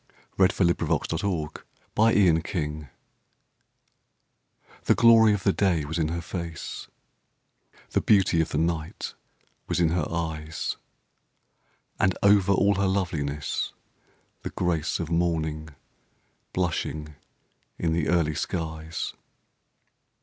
THE GLORY OF THE DAY WAS IN HER FACE The glory of the day was in her face, The beauty of the night was in her eyes. And over all her loveliness, the grace Of Morning blushing in the early skies.